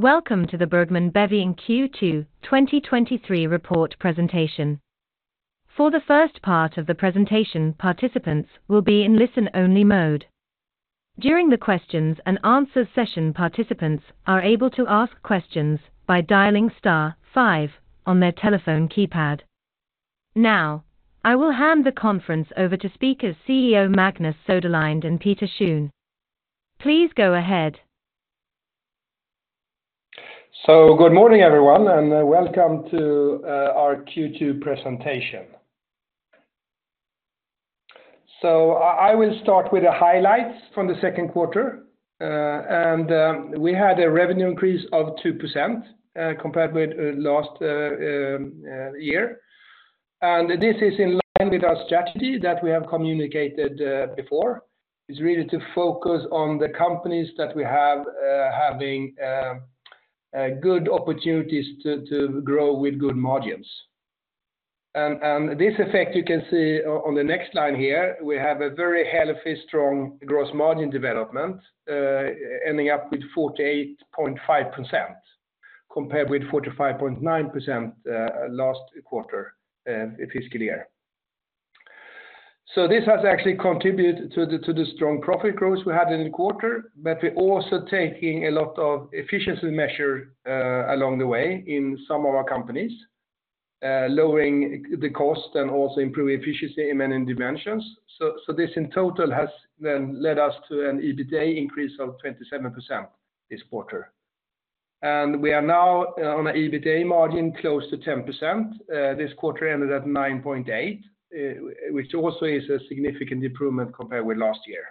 Welcome to the Bergman & Beving Q2 2023 report presentation. For the first part of the presentation, participants will be in listen-only mode. During the questions and answers session, participants are able to ask questions by dialing star five on their telephone keypad. Now, I will hand the conference over to speakers, CEO Magnus Söderlind and Peter Schön. Please go ahead. Good morning, everyone, and welcome to our Q2 presentation. I will start with the highlights from the second quarter, and we had a revenue increase of 2%, compared with last year. And this is in line with our strategy that we have communicated before. It's really to focus on the companies that we have having good opportunities to grow with good margins. And this effect you can see on the next line here, we have a very healthy, strong gross margin development, ending up with 48.5%, compared with 45.9% last quarter fiscal year. This has actually contributed to the strong profit growth we had in the quarter, but we're also taking a lot of efficiency measure along the way in some of our companies, lowering the cost and also improving efficiency in many dimensions. So this in total has then led us to an EBITDA increase of 27% this quarter. And we are now on a EBITDA margin close to 10%. This quarter ended at 9.8, which also is a significant improvement compared with last year.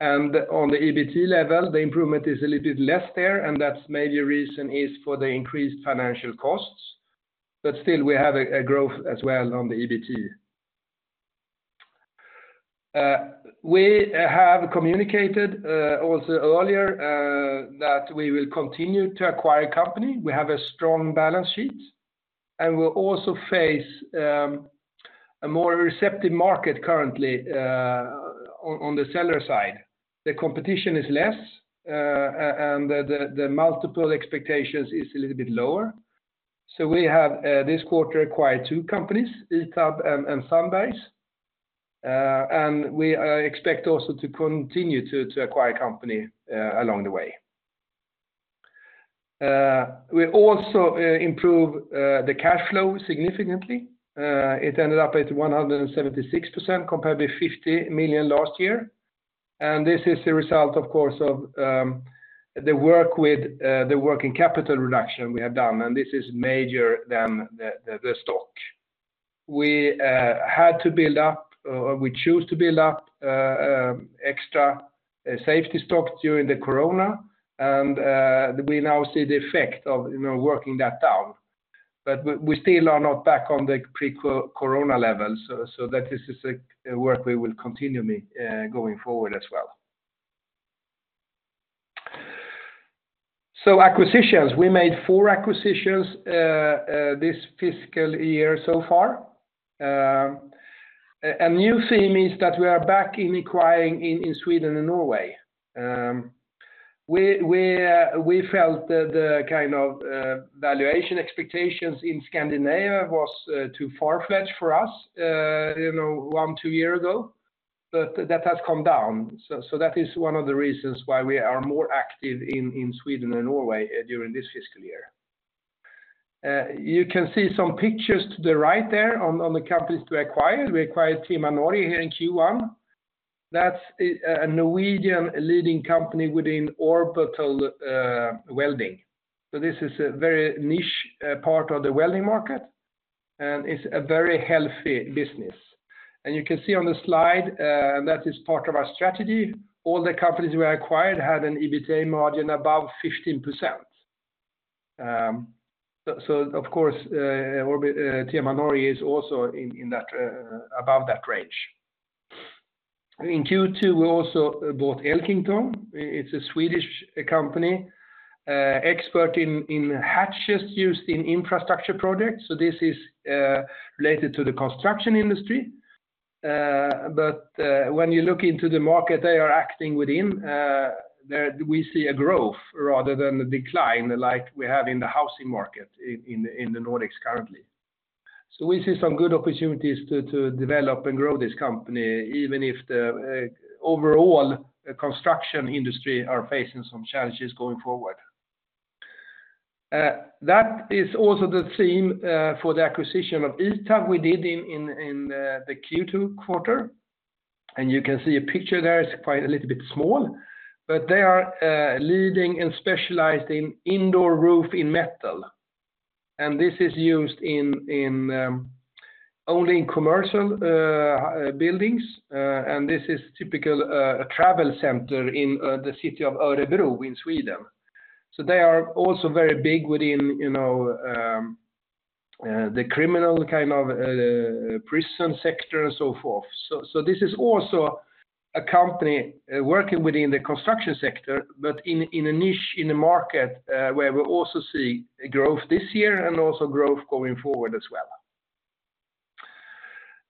And on the EBT level, the improvement is a little bit less there, and that's maybe a reason is for the increased financial costs, but still we have a growth as well on the EBT. We have communicated also earlier that we will continue to acquire company. We have a strong balance sheet, and we'll also face a more receptive market currently on the seller side. The competition is less, and the multiple expectations is a little bit lower. So we have this quarter acquired two companies, Itaab and Sandbergs, and we expect also to continue to acquire company along the way. We also improve the cash flow significantly. It ended up at 176%, compared with 50 million last year. And this is a result, of course, of the work with the working capital reduction we have done, and this is major than the stock. We had to build up, or we choose to build up, extra safety stocks during the Corona, and we now see the effect of, you know, working that down. But we still are not back on the pre-Corona level, so that this is a work we will continue going forward as well. So acquisitions. We made four acquisitions this fiscal year so far. A new theme is that we are back in acquiring in Sweden and Norway. We felt that the kind of valuation expectations in Scandinavia was too far-fetched for us, you know, 1-2 years ago, but that has come down. So that is one of the reasons why we are more active in Sweden and Norway during this fiscal year. You can see some pictures to the right there on the companies we acquired. We acquired TM Anori here in Q1. That's a Norwegian leading company within orbital welding. So this is a very niche part of the welding market, and it's a very healthy business. And you can see on the slide that is part of our strategy. All the companies we acquired had an EBITDA margin above 15%. So of course, TM Anori is also in that above that range. In Q2, we also bought Elkington. It's a Swedish company expert in hatches used in infrastructure projects, so this is related to the construction industry. But when you look into the market, they are acting within, there we see a growth rather than a decline like we have in the housing market in the Nordics currently. So we see some good opportunities to develop and grow this company, even if the overall construction industry are facing some challenges going forward. That is also the theme for the acquisition of Itaab we did in the Q2 quarter, and you can see a picture there. It's quite a little bit small, but they are leading and specialized in indoor roof in metal, and this is used in only in commercial buildings, and this is typical a travel center in the city of Örebro in Sweden. So they are also very big within, you know, the criminal kind of prison sector and so forth. So this is also a company working within the construction sector, but in a niche in the market, where we also see a growth this year and also growth going forward as well.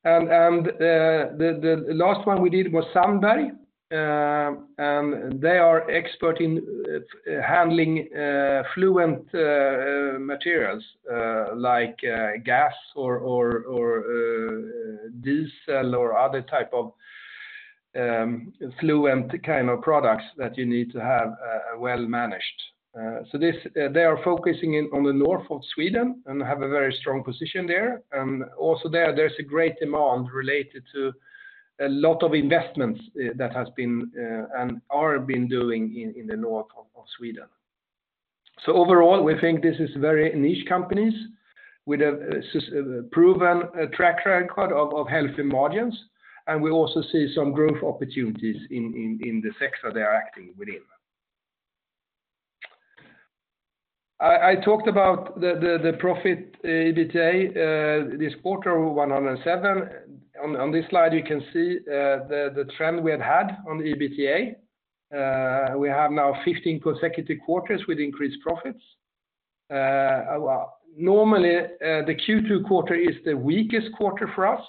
And the last one we did was Sandbäls, and they are expert in handling fluent materials, like gas or diesel or other type of fluent kind of products that you need to have well managed. So this, they are focusing in on the north of Sweden and have a very strong position there. Also there, there's a great demand related to a lot of investments that has been and are been doing in the north of Sweden. So overall, we think this is very niche companies with a proven track record of healthy margins, and we also see some growth opportunities in the sector they are acting within. I talked about the profit EBITDA this quarter, 107. On this slide, you can see the trend we have had on the EBITDA. We have now 15 consecutive quarters with increased profits. Well, normally, the Q2 quarter is the weakest quarter for us,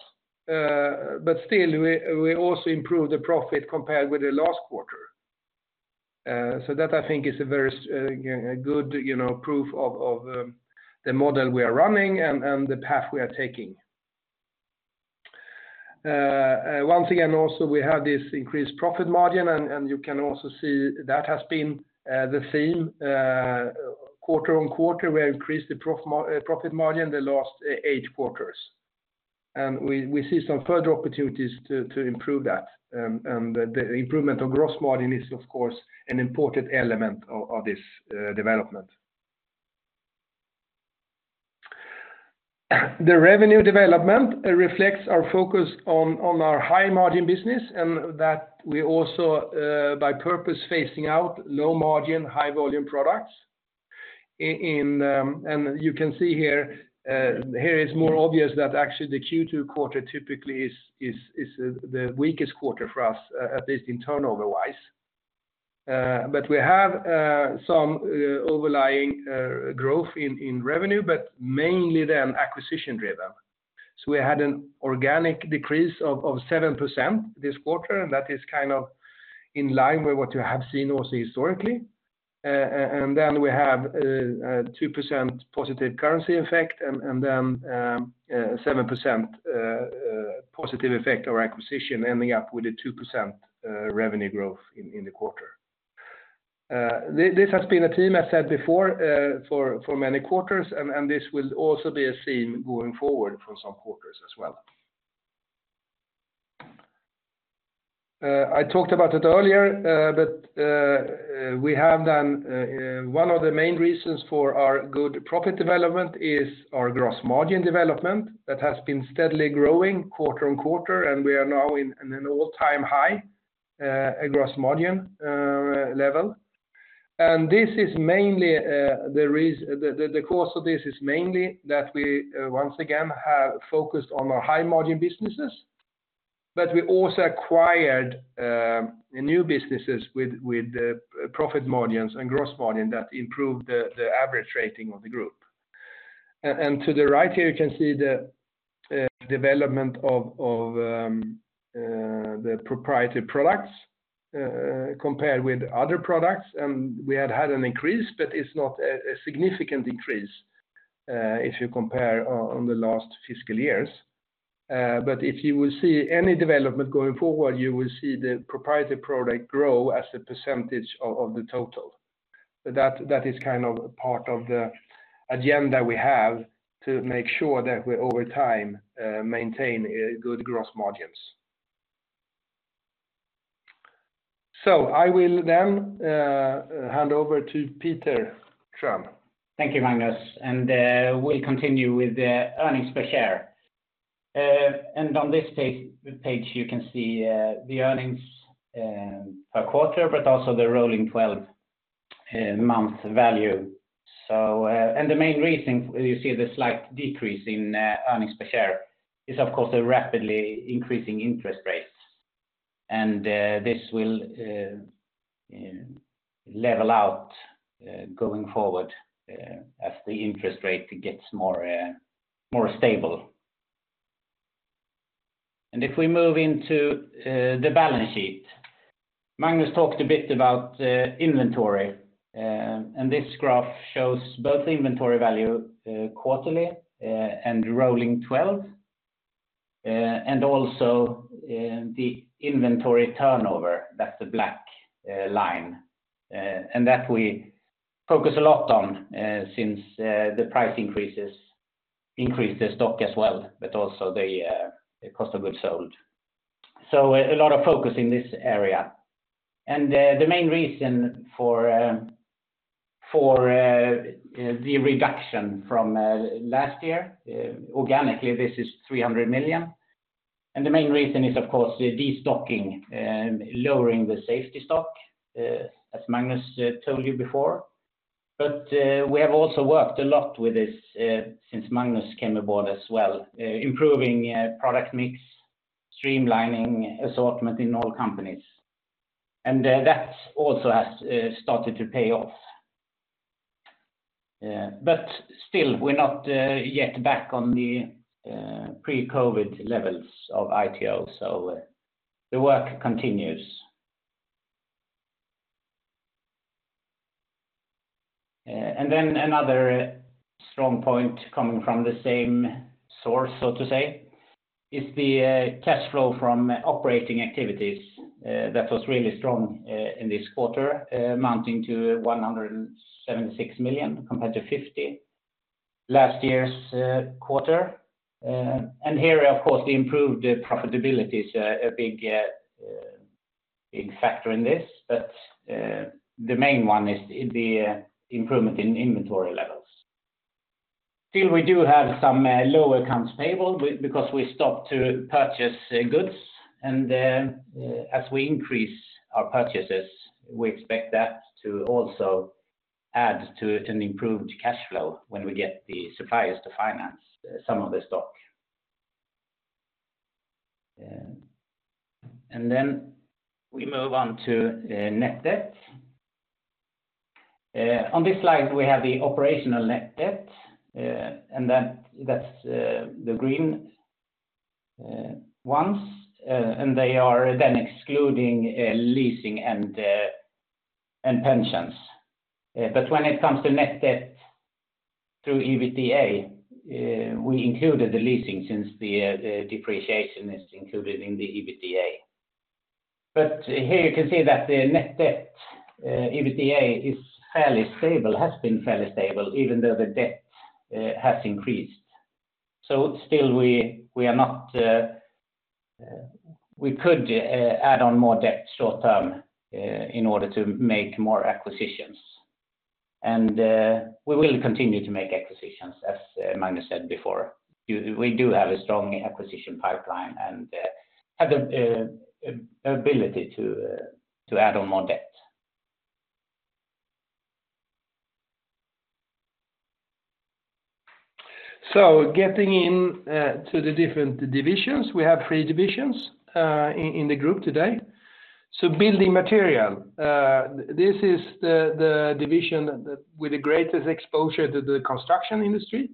but still, we also improved the profit compared with the last quarter. So that I think is a very, a good, you know, proof of the model we are running and the path we are taking. Once again, also, we have this increased profit margin, and you can also see that has been the same quarter-on-quarter. We increased the profit margin the last eight quarters, and we see some further opportunities to improve that. And the improvement of gross margin is, of course, an important element of this development. The revenue development reflects our focus on our high-margin business, and that we also, by purpose, phasing out low-margin, high-volume products. And you can see here, here it's more obvious that actually the Q2 quarter typically is the weakest quarter for us, at least turnover-wise. But we have some overall growth in revenue, but mainly then acquisition-driven. So we had an organic decrease of 7% this quarter, and that is kind of in line with what you have seen also historically. And then we have a 2% positive currency effect and then a 7% positive effect of our acquisition, ending up with a 2% revenue growth in the quarter. This has been a theme, I said before, for many quarters, and this will also be a theme going forward for some quarters as well. I talked about it earlier, but one of the main reasons for our good profit development is our gross margin development. That has been steadily growing quarter-over-quarter, and we are now in an all-time high gross margin level. And this is mainly the reason—the cause of this is mainly that we once again have focused on our high-margin businesses, but we also acquired new businesses with the profit margins and gross margin that improved the average rating of the group. And to the right here, you can see the development of the proprietary products compared with other products, and we have had an increase, but it's not a significant increase if you compare on the last fiscal years. But if you will see any development going forward, you will see the proprietary product grow as a percentage of the total. But that, that is kind of part of the agenda we have to make sure that we over time, maintain, good gross margins. So I will then, hand over to Peter Schön. Thank you, Magnus, and we'll continue with the earnings per share. On this page, you can see the earnings per quarter, but also the rolling twelve-month value. The main reason you see the slight decrease in earnings per share is, of course, the rapidly increasing interest rates. This will level out going forward as the interest rate gets more stable. If we move into the balance sheet, Magnus talked a bit about inventory, and this graph shows both the inventory value quarterly and rolling twelve and also the inventory turnover. That's the black line. And that we focus a lot on since the price increases increase the stock as well, but also the cost of goods sold. So a lot of focus in this area. And the main reason for the reduction from last year organically, this is 300 million. And the main reason is, of course, the destocking, lowering the safety stock, as Magnus told you before. But we have also worked a lot with this since Magnus came aboard as well, improving product mix, streamlining assortment in all companies. And that also has started to pay off.... Yeah, but still, we're not yet back on the pre-COVID levels of ITO, so the work continues. And then another strong point coming from the same source, so to say, is the cash flow from operating activities that was really strong in this quarter, amounting to 176 million, compared to 50 last year's quarter. And here, of course, the improved profitability is a big factor in this, but the main one is the improvement in inventory levels. Still, we do have some lower accounts payable because we stopped to purchase goods. And then, as we increase our purchases, we expect that to also add to an improved cash flow when we get the suppliers to finance some of the stock. And then we move on to net debt. On this slide, we have the operational net debt, and that, that's the green ones, and they are then excluding leasing and pensions. But when it comes to net debt through EBITDA, we included the leasing since the depreciation is included in the EBITDA. But here you can see that the net debt EBITDA is fairly stable, has been fairly stable, even though the debt has increased. So still we, we are not, we could add on more debt short term, in order to make more acquisitions. And we will continue to make acquisitions, as Magnus said before. We, we do have a strong acquisition pipeline and have the ability to add on more debt. So getting in to the different divisions, we have three divisions in the group today. Building Material, this is the division that with the greatest exposure to the construction industry,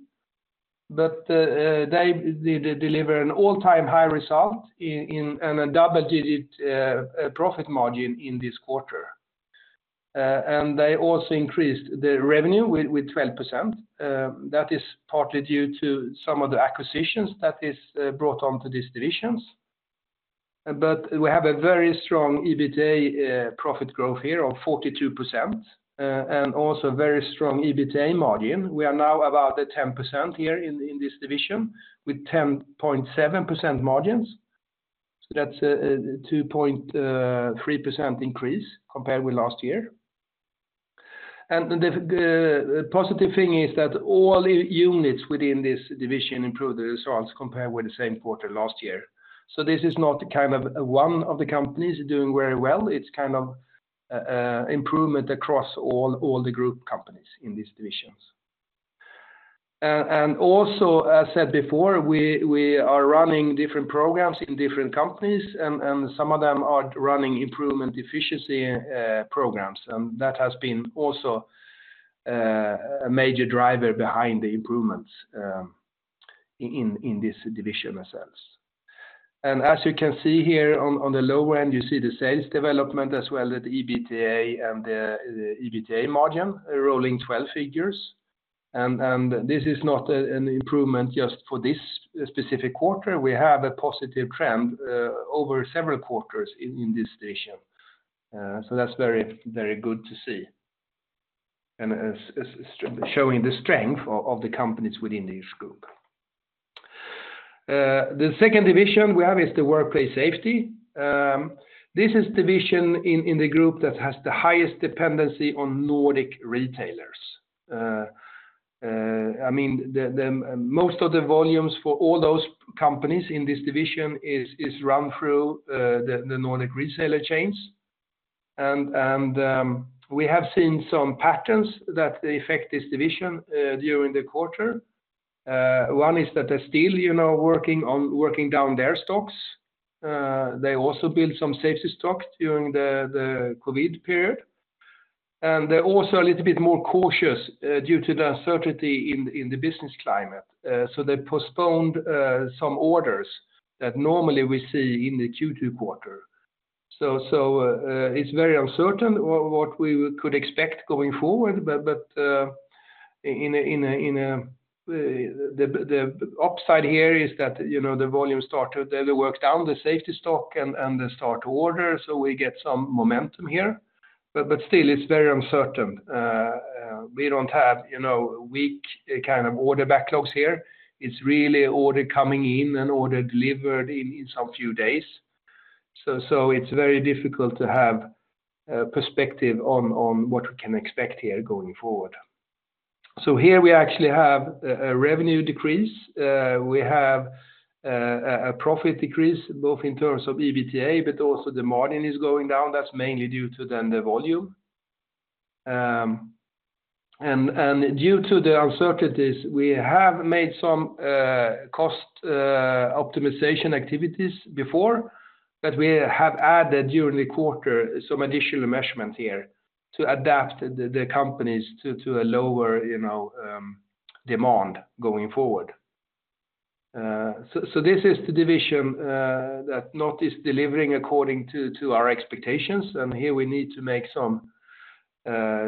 but they deliver an all-time high result in and a double-digit profit margin in this quarter. And they also increased the revenue with 12%. That is partly due to some of the acquisitions that is brought on to these divisions. But we have a very strong EBITDA profit growth here of 42%, and also very strong EBITDA margin. We are now about at 10% here in this division, with 10.7% margins. So that's a 2.3% increase compared with last year. The positive thing is that all units within this division improved the results compared with the same quarter last year. So this is not the kind of one of the companies doing very well. It's kind of improvement across all the group companies in these divisions. And also, as said before, we are running different programs in different companies, and some of them are running improvement efficiency programs. And that has been also a major driver behind the improvements in this division ourselves. And as you can see here on the low end, you see the sales development as well as the EBITDA and the EBITDA margin, rolling twelve figures. And this is not an improvement just for this specific quarter. We have a positive trend over several quarters in this division. So that's very, very good to see, and is showing the strength of the companies within this group. The second division we have is the Workplace Safety. This is the division in the group that has the highest dependency on Nordic retailers. I mean, the most of the volumes for all those companies in this division is run through the Nordic reseller chains. We have seen some patterns that affect this division during the quarter. One is that they're still, you know, working down their stocks. They also build some safety stocks during the COVID period, and they're also a little bit more cautious due to the uncertainty in the business climate. So they postponed some orders that normally we see in the Q2 quarter. So, it's very uncertain what we could expect going forward, but in the upside here is that, you know, the volume start to work down the safety stock and they start to order, so we get some momentum here. But still, it's very uncertain. We don't have, you know, weak kind of order backlogs here. It's really order coming in and order delivered in some few days. So it's very difficult to have a perspective on what we can expect here going forward. So here we actually have a revenue decrease. We have a profit decrease, both in terms of EBITDA, but also the margin is going down. That's mainly due to the volume. And due to the uncertainties, we have made some cost optimization activities before, but we have added during the quarter some additional measurement here to adapt the companies to a lower, you know, demand going forward. So this is the division that not is delivering according to our expectations, and here we need to make some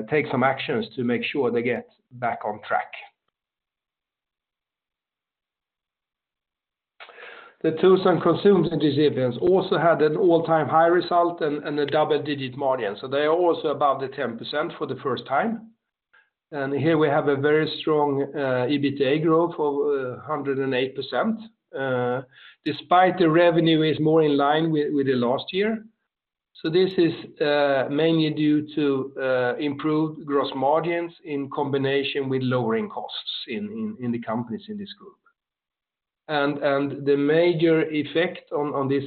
take some actions to make sure they get back on track. The Tools and Consumables divisions also had an all-time high result and a double-digit margin, so they are also above the 10% for the first time. Here we have a very strong EBITDA growth of 108%, despite the revenue is more in line with the last year. So this is mainly due to improved gross margins in combination with lowering costs in the companies in this group. And the major effect on this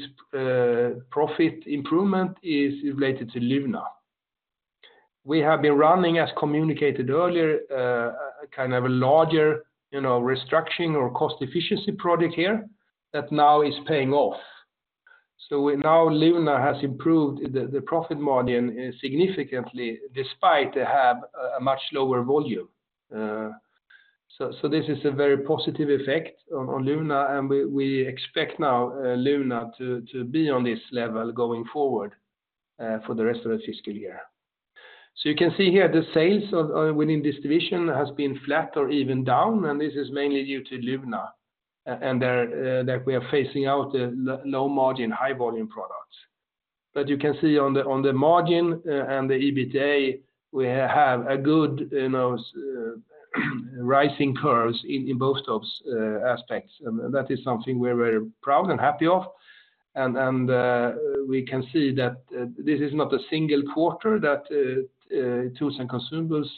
profit improvement is related to Luna. We have been running, as communicated earlier, a kind of a larger, you know, restructuring or cost efficiency project here that now is paying off. So now Luna has improved the profit margin significantly despite they have a much lower volume. So this is a very positive effect on Luna, and we expect now Luna to be on this level going forward for the rest of the fiscal year. So you can see here the sales within this division has been flat or even down, and this is mainly due to Luna, and there that we are phasing out the low margin, high volume products. But you can see on the margin and the EBITDA, we have a good, you know, rising curves in both those aspects. And that is something we're very proud and happy of, and we can see that this is not a single quarter that Tools and Consumables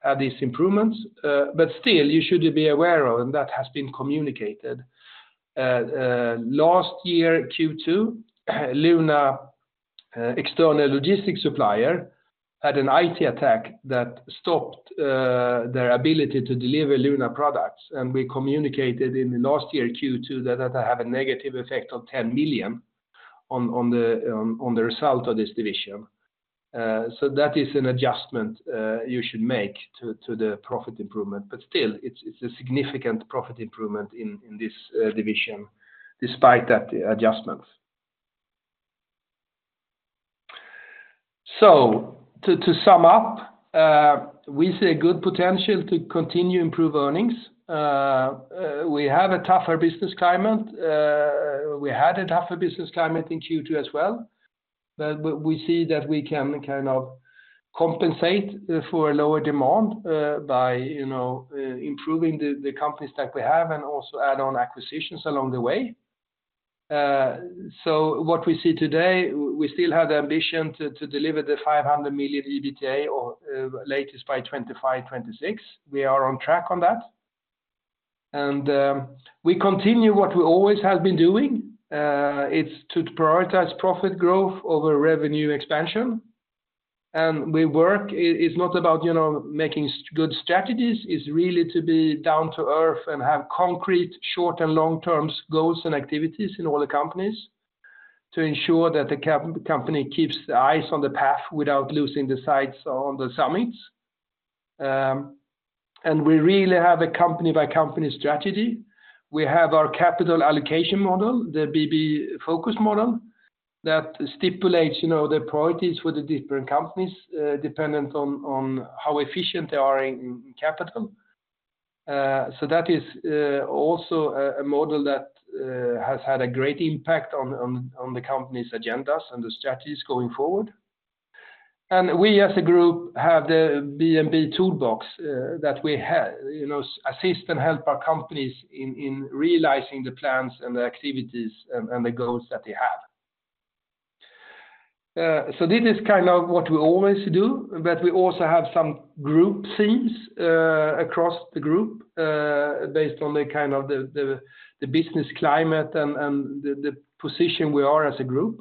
have these improvements. But still, you should be aware of, and that has been communicated. Last year, Q2, Luna external logistics supplier had an IT attack that stopped their ability to deliver Luna products. We communicated in the last year, Q2, that that have a negative effect of 10 million on the result of this division. So that is an adjustment you should make to the profit improvement, but still, it's a significant profit improvement in this division, despite that adjustment. So to sum up, we see a good potential to continue improve earnings. We have a tougher business climate. We had a tougher business climate in Q2 as well, but we see that we can kind of compensate for a lower demand by, you know, improving the companies that we have and also add on acquisitions along the way. So what we see today, we still have the ambition to deliver the 500 million EBITDA or latest by 2025, 2026. We are on track on that. And we continue what we always have been doing, it's to prioritize profit growth over revenue expansion. And we work, it's not about, you know, making good strategies, it's really to be down to earth and have concrete short- and long-term goals and activities in all the companies to ensure that the company keeps the eyes on the path without losing the sights on the summits. And we really have a company by company strategy. We have our capital allocation model, the BB focus model, that stipulates, you know, the priorities for the different companies, dependent on how efficient they are in capital. So that is also a model that has had a great impact on the company's agendas and the strategies going forward. And we as a group have the B&B toolbox that we have, you know, assist and help our companies in realizing the plans and the activities and the goals that they have. So this is kind of what we always do, but we also have some group themes across the group based on the kind of the business climate and the position we are as a group.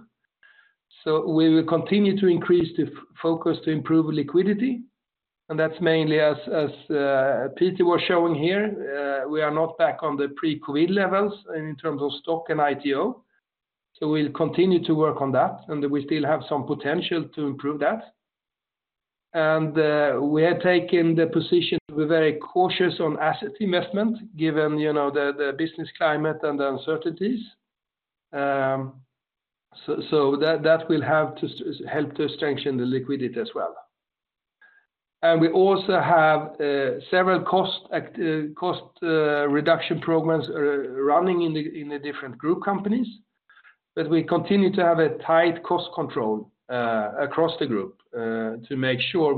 So we will continue to increase the focus to improve liquidity, and that's mainly as Peter was showing here, we are not back on the pre-COVID levels in terms of stock and ITO. So we'll continue to work on that, and we still have some potential to improve that. And we have taken the position to be very cautious on asset investment, given, you know, the business climate and the uncertainties. So that will have to help to strengthen the liquidity as well. And we also have several cost reduction programs running in the different group companies. But we continue to have a tight cost control across the group to make sure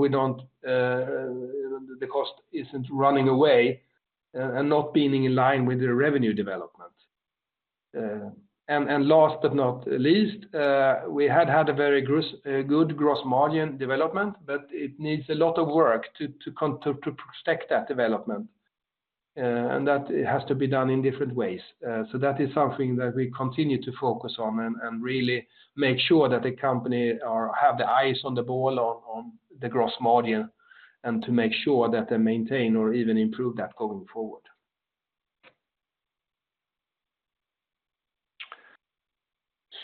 the cost isn't running away, and not being in line with the revenue development. And last but not least, we had a very good gross margin development, but it needs a lot of work to protect that development, and that it has to be done in different ways. So, that is something that we continue to focus on and really make sure that the companies have the eyes on the ball on the gross margin, and to make sure that they maintain or even improve that going forward.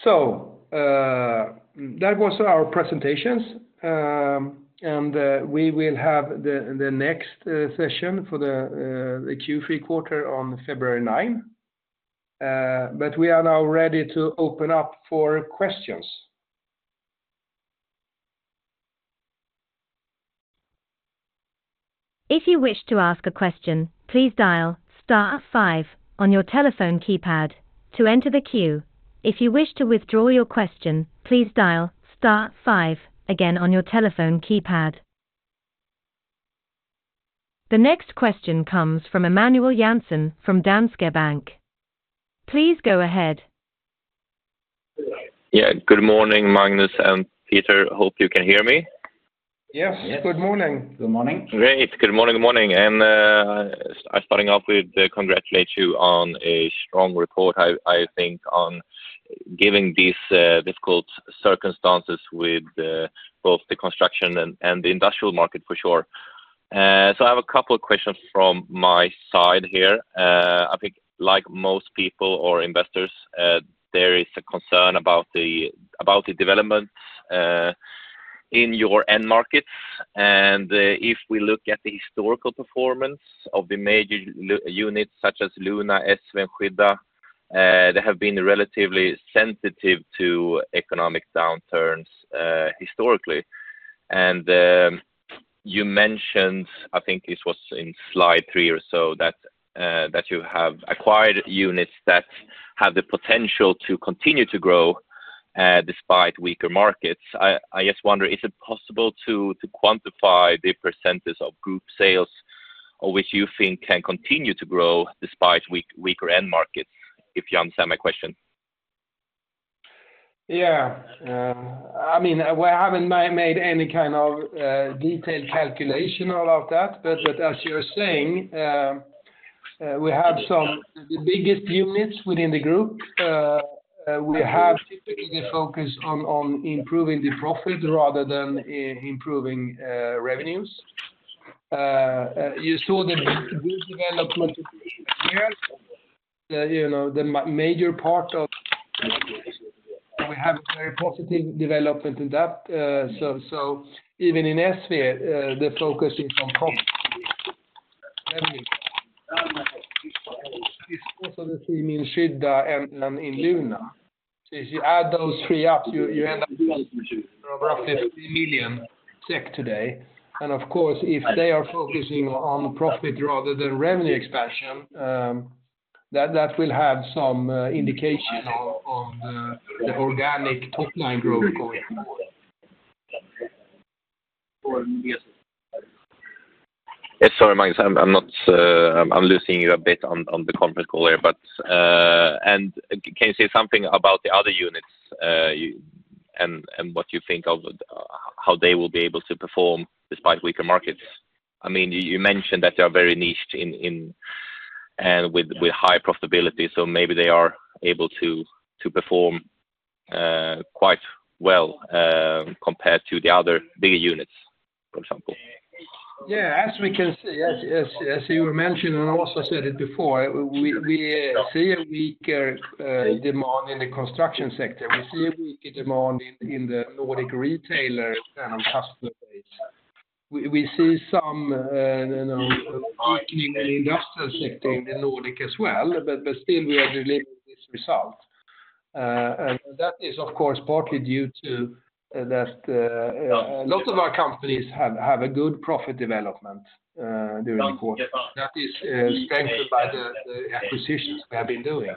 So, that was our presentation. And we will have the next session for the Q3 quarter on February 9. But we are now ready to open up for questions. If you wish to ask a question, please dial star five on your telephone keypad to enter the queue. If you wish to withdraw your question, please dial star five again on your telephone keypad. The next question comes from Emanuel Jansson from Danske Bank. Please go ahead. Yeah. Good morning, Magnus and Peter. Hope you can hear me. Yes, good morning. Good morning. Great. Good morning, good morning. And starting off with congratulate you on a strong report, I, I think on giving these difficult circumstances with both the construction and the industrial market, for sure. So I have a couple of questions from my side here. I think like most people or investors, there is a concern about the development in your end markets. And if we look at the historical performance of the major units, such as Luna, ESSVE, Skydda, they have been relatively sensitive to economic downturns historically. And you mentioned, I think this was in slide three or so, that you have acquired units that have the potential to continue to grow despite weaker markets. I just wonder, is it possible to quantify the percentage of group sales or which you think can continue to grow despite weak, weaker end markets? If you understand my question. Yeah. I mean, we haven't made any kind of detailed calculation about that, but as you're saying, we have some, the biggest units within the group, we have typically focused on improving the profit rather than improving revenues. You saw the good development here, you know, the major part of... We have a very positive development in that. So, even in ESSVE, the focus is on profit. Revenue. It's also the same in Skydda and in Luna. If you add those three up, you end up with roughly 3 million today. And of course, if they are focusing on profit rather than revenue expansion, that will have some indication of the organic top line growth going forward. Yes, sorry, Magnus. I'm not... I'm losing you a bit on the conference call here, but... Can you say something about the other units, you and what you think of how they will be able to perform despite weaker markets? I mean, you mentioned that they are very niched in with high profitability, so maybe they are able to perform quite well compared to the other bigger units, for example. Yeah, as we can see, as you were mentioning, and I also said it before, we see a weaker demand in the construction sector. We see a weaker demand in the Nordic retailer and customer base. We see some, you know, weakening in the industrial sector in the Nordic as well, but still, we are delivering this result. And that is, of course, partly due to that a lot of our companies have a good profit development during the quarter. That is strengthened by the acquisitions we have been doing.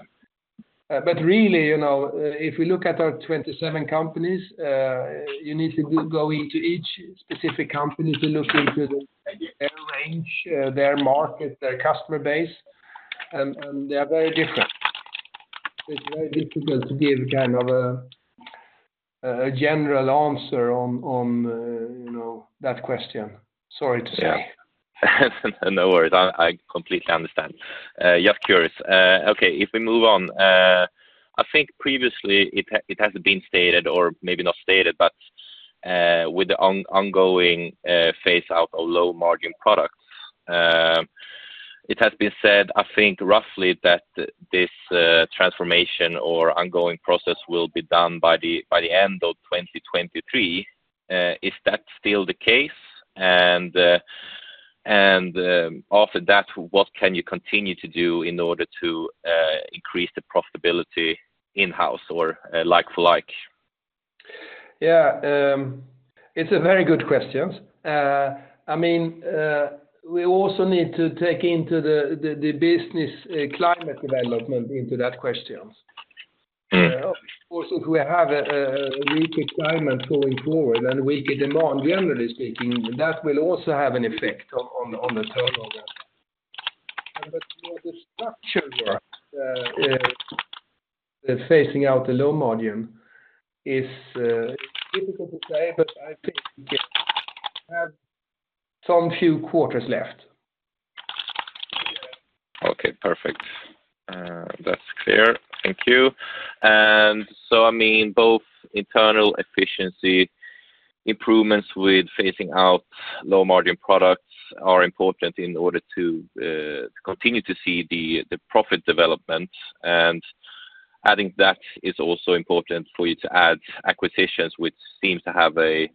But really, you know, if we look at our 27 companies, you need to go into each specific company to look into their range, their market, their customer base, and they are very different. It's very difficult to give kind of a general answer on, you know, that question. Sorry to say. No worries. I completely understand. Just curious. Okay, if we move on, I think previously it has been stated, or maybe not stated, but with the ongoing phase out of low-margin products, it has been said, I think, roughly, that this transformation or ongoing process will be done by the end of 2023. Is that still the case? And after that, what can you continue to do in order to increase the profitability in-house or like for like? Yeah, it's a very good question. I mean, we also need to take into the business climate development into that question. Mm-hmm. Of course, if we have a weak climate going forward and weaker demand, generally speaking, that will also have an effect on the turnover. But the structural, the phasing out the low margin is difficult to say, but I think we have some few quarters left. Okay, perfect. That's clear. Thank you. And so, I mean, both internal efficiency improvements with phasing out low-margin products are important in order to continue to see the profit development. And adding that is also important for you to add acquisitions, which seems to have a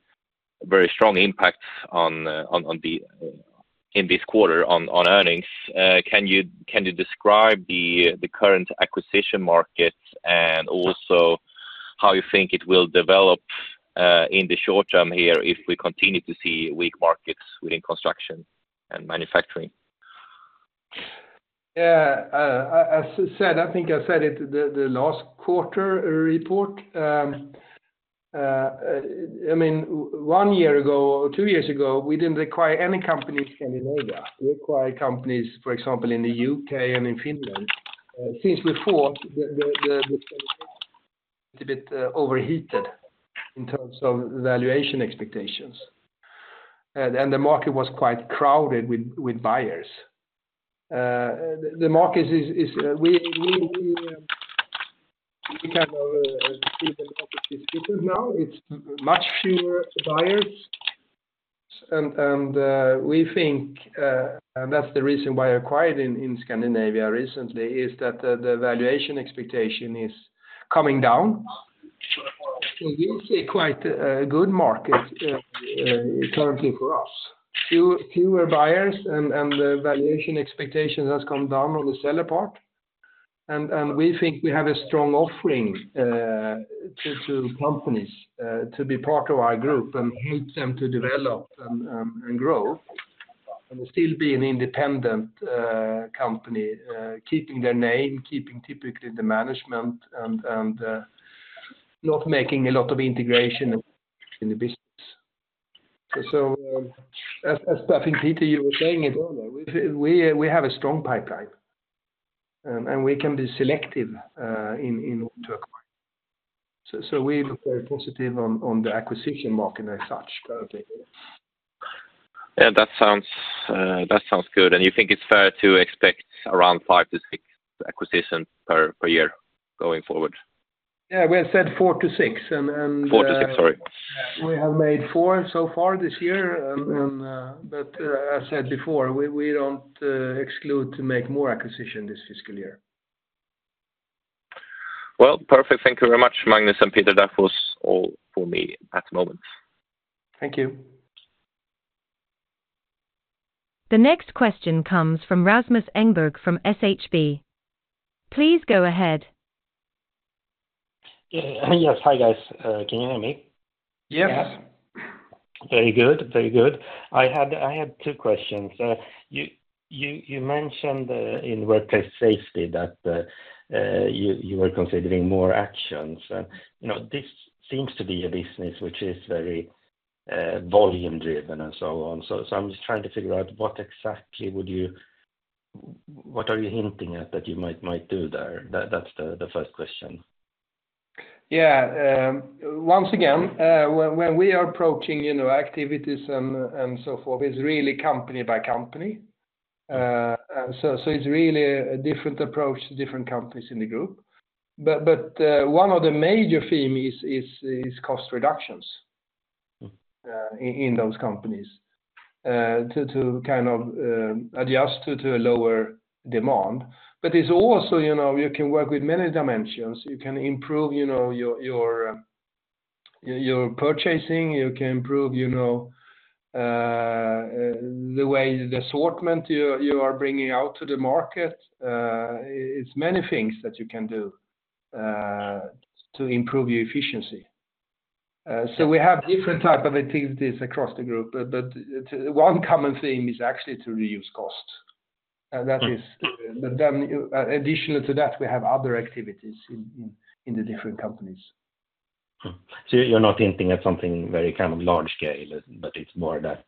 very strong impact on the earnings in this quarter. Can you describe the current acquisition market and also how you think it will develop in the short term here if we continue to see weak markets within construction and manufacturing? Yeah, as I said, I think I said it in the last quarter report. I mean, one year ago or two years ago, we didn't acquire any companies in Scandinavia. We acquired companies, for example, in the U.K. and in Finland. Since we thought that it's a bit overheated in terms of valuation expectations, and the market was quite crowded with buyers. The market is kind of now. It's much fewer buyers. And we think, and that's the reason why I acquired in Scandinavia recently, is that the valuation expectation is coming down. So we see quite good market currently for us. Fewer buyers and the valuation expectation has come down on the seller part. We think we have a strong offering to companies to be part of our group and help them to develop and grow, and still be an independent company, keeping their name, keeping typically the management, and not making a lot of integration in the business. So, as I think, Peter, you were saying it earlier, we have a strong pipeline, and we can be selective in order to acquire. So we look very positive on the acquisition market as such, currently. Yeah, that sounds, that sounds good. And you think it's fair to expect around 5-6 acquisitions per year going forward? Yeah, we have said 4-6, and 4-6, sorry. We have made four so far this year, and but, as I said before, we don't exclude to make more acquisition this fiscal year. Well, perfect. Thank you very much, Magnus and Peter. That's all for me at the moment. Thank you. The next question comes from Rasmus Engberg from SHB. Please go ahead. Yeah. Yes, hi, guys. Can you hear me? Yes. Very good. Very good. I had two questions. You mentioned in workplace safety that you were considering more actions, and you know, this seems to be a business which is very volume driven and so on. So I'm just trying to figure out what exactly would you—what are you hinting at that you might do there? That's the first question. Yeah, once again, when we are approaching, you know, activities and so forth, it's really company by company. And so, it's really a different approach to different companies in the group. But one of the major theme is cost reductions- Mm... in those companies, to kind of adjust to a lower demand. But it's also, you know, you can work with many dimensions. You can improve, you know, your purchasing, you can improve, you know, the way the assortment you are bringing out to the market. It's many things that you can do to improve your efficiency. Mm. So we have different type of activities across the group, but one common theme is actually to reduce cost. Mm. And that is- but then, additional to that, we have other activities in the different companies. Mm. So you're not hinting at something very kind of large scale, but it's more that,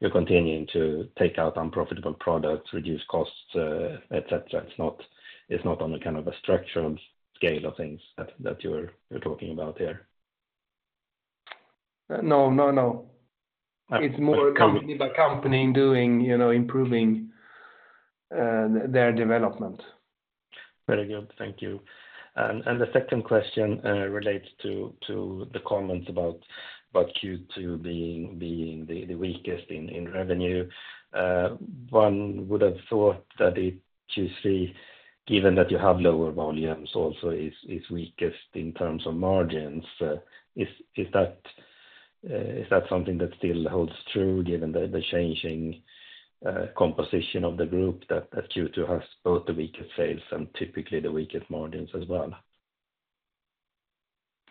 you're continuing to take out unprofitable products, reduce costs, et cetera. It's not, it's not on a kind of a structural scale of things that, that you're, you're talking about here? No, no, no. Uh- It's more company by company doing, you know, improving, their development. Very good. Thank you. And the second question relates to the comment about Q2 being the weakest in revenue. One would have thought that Q3, given that you have lower volumes, also is weakest in terms of margins. Is that something that still holds true, given the changing composition of the group, that Q2 has both the weakest sales and typically the weakest margins as well?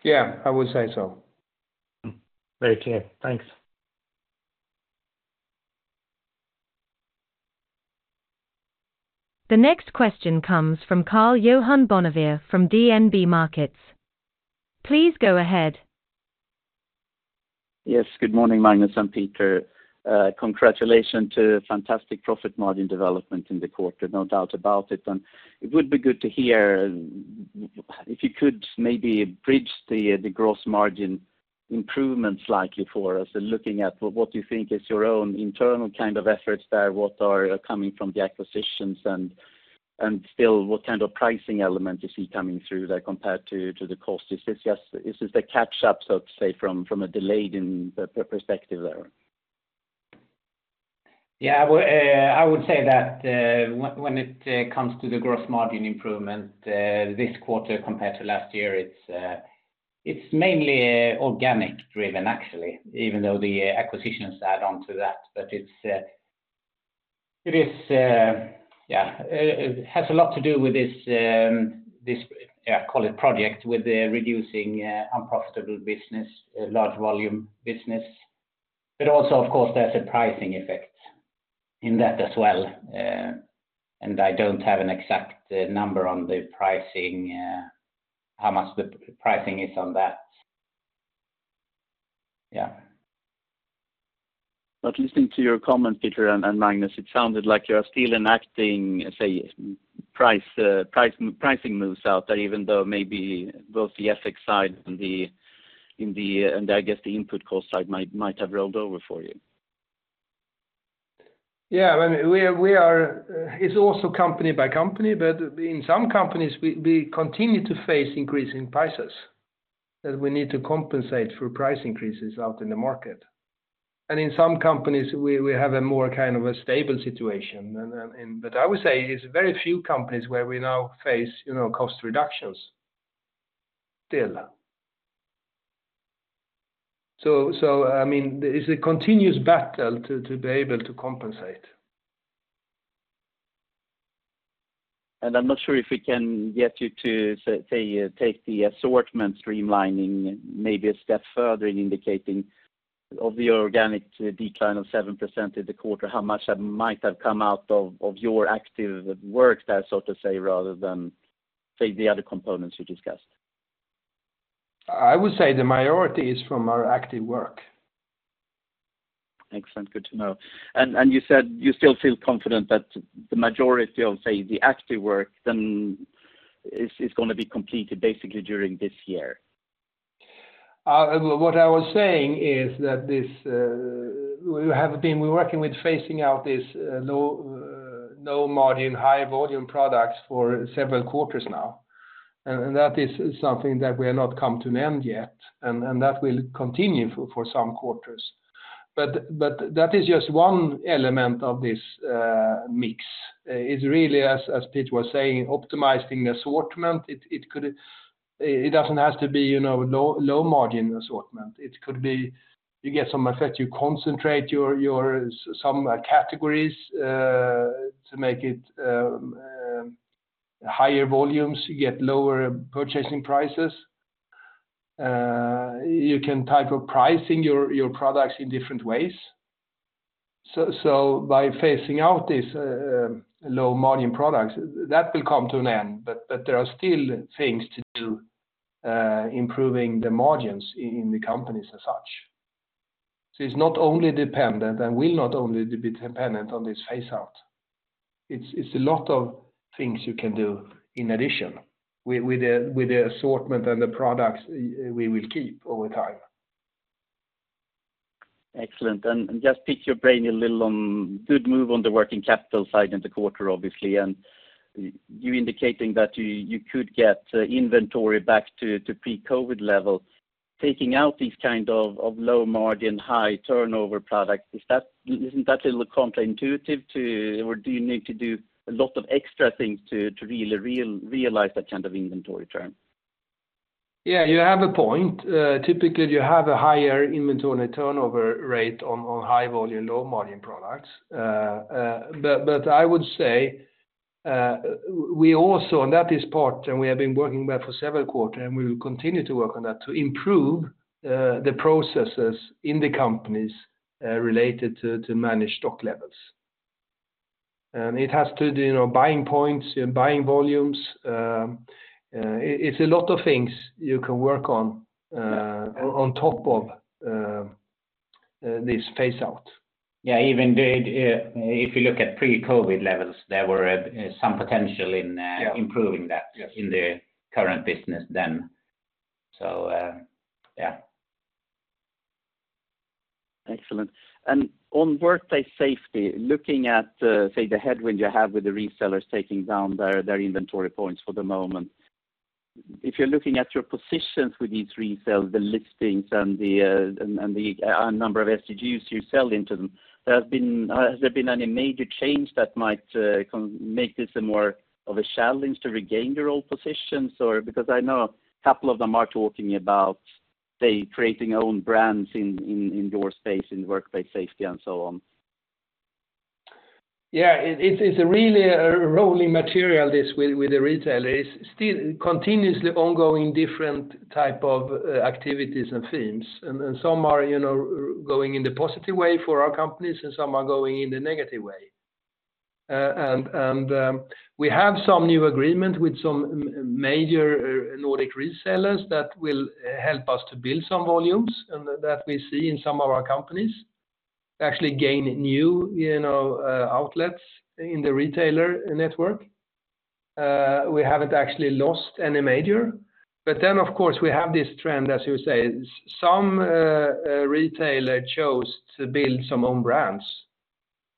Yeah, I would say so. Mm. Very clear. Thanks. The next question comes from Karl-Johan Bonnevier from DNB Markets. Please go ahead. Yes, good morning, Magnus and Peter. Congratulations to fantastic profit margin development in the quarter, no doubt about it. And it would be good to hear, if you could maybe bridge the gross margin improvements likely for us, and looking at what you think is your own internal kind of efforts there, what are coming from the acquisitions, and still, what kind of pricing element you see coming through that compared to the cost? Is this just, is this the catch up, so to say, from a delayed input perspective there? Yeah, well, I would say that when it comes to the gross margin improvement this quarter compared to last year, it's mainly organic driven actually, even though the acquisitions add on to that. But it has a lot to do with this, yeah, call it project, with the reducing unprofitable business, large volume business. But also, of course, there's a pricing effect in that as well, and I don't have an exact number on the pricing, how much the pricing is on that. Yeah. But listening to your comment, Peter and Magnus, it sounded like you are still enacting, say, pricing moves out there, even though maybe both the FX side and the input cost side might have rolled over for you. Yeah, I mean, we are. It's also company by company, but in some companies, we continue to face increasing prices that we need to compensate for price increases out in the market. And in some companies, we have a more kind of a stable situation. But I would say it's very few companies where we now face, you know, cost reductions, still. I mean, it's a continuous battle to be able to compensate. I'm not sure if we can get you to say, take the assortment streamlining, maybe a step further in indicating of the organic decline of 7% in the quarter, how much that might have come out of your active work there, so to say, rather than, say, the other components you discussed? I would say the majority is from our active work. Excellent. Good to know. And you said you still feel confident that the majority of, say, the active work then is gonna be completed basically during this year? What I was saying is that we have been working with phasing out this low-margin, high-volume products for several quarters now, and that is something that we have not come to an end yet, and that will continue for some quarters. But that is just one element of this mix. It's really, as Pete was saying, optimizing the assortment. It could, it doesn't have to be, you know, low-margin assortment. It could be you get some effect. You concentrate your some categories to make it higher volumes, you get lower purchasing prices. You can type of pricing your products in different ways. So by phasing out these low-margin products, that will come to an end, but there are still things to do, improving the margins in the companies as such. It's not only dependent, and will not only be dependent on this phase-out. It's a lot of things you can do in addition with the assortment and the products we will keep over time. Excellent. Just pick your brain a little on good move on the working capital side in the quarter, obviously, and you indicating that you could get inventory back to pre-COVID levels, taking out these kind of low margin, high turnover products. Isn't that a little counter-intuitive to, or do you need to do a lot of extra things to really realize that kind of inventory turn? Yeah, you have a point. Typically, you have a higher inventory turnover rate on high volume, low margin products. But I would say we also, and that is part, and we have been working with for several quarters, and we will continue to work on that, to improve the processes in the companies related to manage stock levels. And it has to do, you know, buying points, buying volumes, it's a lot of things you can work on on top of this phase out. Yeah, even the, if you look at pre-COVID levels, there were, some potential in... Yeah... improving that- Yes... in the current business then. So, yeah. Excellent. And on workplace safety, looking at, say, the headwind you have with the resellers taking down their inventory points for the moment. If you're looking at your positions with these resellers, the listings and the number of SKUs you sell into them, has there been any major change that might make this more of a challenge to regain your old positions or? Because I know a couple of them are talking about, say, creating their own brands in your space, in workplace safety and so on. Yeah, it's a really rolling material, this with the retailers. It's still continuously ongoing different type of activities and themes, and some are, you know, going in the positive way for our companies, and some are going in the negative way. And we have some new agreement with some major Nordic resellers that will help us to build some volumes, and that we see in some of our companies, actually gain new, you know, outlets in the retailer network. We haven't actually lost any major. But then, of course, we have this trend, as you say, some retailer chose to build some own brands,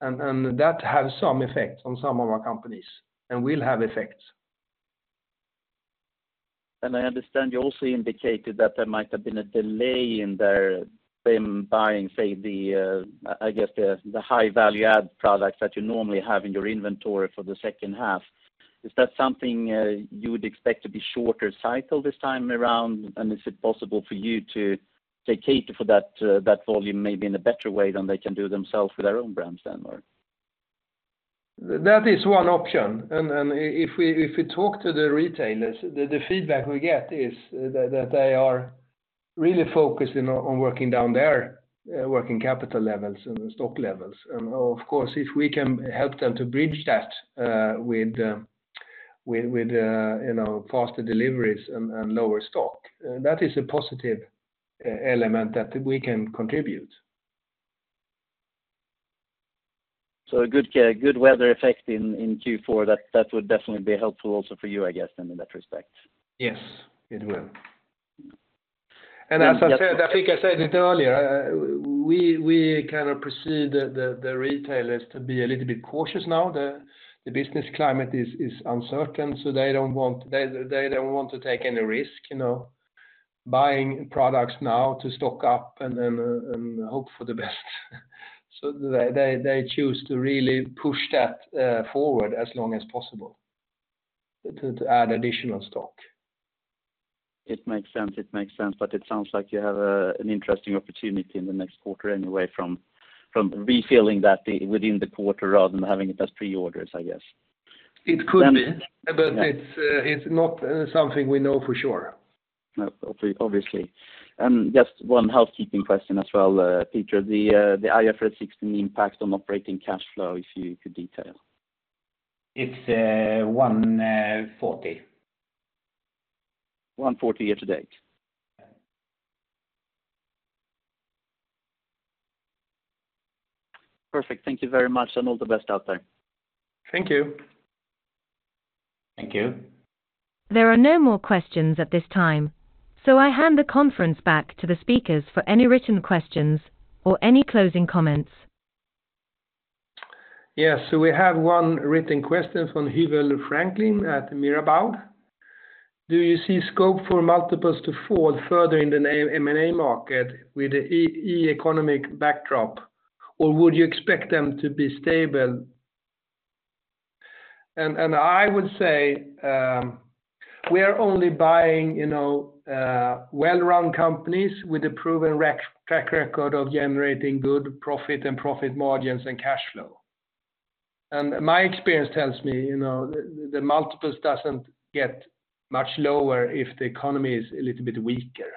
and that has some effect on some of our companies, and will have effects. And I understand you also indicated that there might have been a delay in their them buying, say, the, I guess, the high value-add products that you normally have in your inventory for the second half. Is that something you would expect to be shorter cycle this time around? And is it possible for you to cater for that volume maybe in a better way than they can do themselves with their own brands then, or? That is one option. And if we talk to the retailers, the feedback we get is that they are really focusing on working down their working capital levels and stock levels. And of course, if we can help them to bridge that with you know faster deliveries and lower stock, that is a positive element that we can contribute. So a good weather effect in, in Q4, that, that would definitely be helpful also for you, I guess, then in that respect? Yes, it will. And as I said, I think I said it earlier, we kind of perceive the retailers to be a little bit cautious now. The business climate is uncertain, so they don't want to take any risk, you know, buying products now to stock up and then and hope for the best. So they choose to really push that forward as long as possible, to add additional stock. It makes sense. It makes sense, but it sounds like you have an interesting opportunity in the next quarter anyway, from refilling that within the quarter rather than having it as pre-orders, I guess. It could be- Yeah. But it's not something we know for sure. No, obviously. And just one housekeeping question as well, Peter, the IFRS 16 impact on operating cash flow, if you could detail. It's 1:40. 140 year to date? Yeah. Perfect. Thank you very much, and all the best out there. Thank you. Thank you. There are no more questions at this time, so I hand the conference back to the speakers for any written questions or any closing comments. Yes, so we have one written question from Hugo Franklin at Mirabaud. Do you see scope for multiples to fall further in the M&A market with the economic backdrop, or would you expect them to be stable? I would say, we are only buying, you know, well-run companies with a proven track record of generating good profit and profit margins and cash flow. My experience tells me, you know, the multiples doesn't get much lower if the economy is a little bit weaker.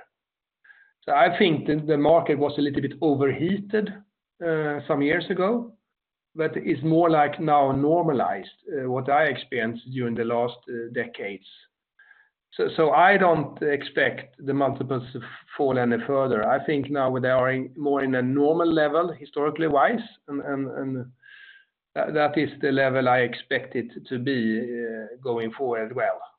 So I think the market was a little bit overheated some years ago, but it's more like now normalized what I experienced during the last decades. So I don't expect the multiples to fall any further. I think now they are in more in a normal level, historically wise, and that is the level I expect it to be, going forward as well.